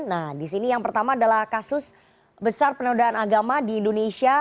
nah di sini yang pertama adalah kasus besar penodaan agama di indonesia